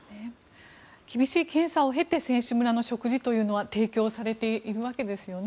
厳しい検査を経て選手村の食事というのは提供されているわけですよね。